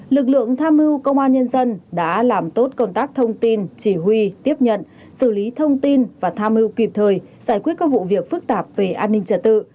lực lượng tham mưu công an nhân dân đã làm tốt công tác thông tin chỉ huy tiếp nhận xử lý thông tin và tham mưu kịp thời giải quyết các vụ việc phức tạp về an ninh trật tự